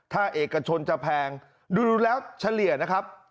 ถ้าเอกชนจะแพงดูแล้วเฉลี่ยนะครับ